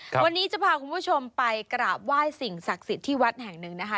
วันนี้จะพาคุณผู้ชมไปกราบไหว้สิ่งศักดิ์สิทธิ์ที่วัดแห่งหนึ่งนะคะ